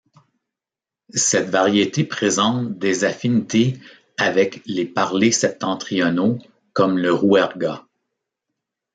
Cette variété présente des affinités avec les parlers septentrionaux comme le rouergat.